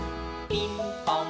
ピンポン！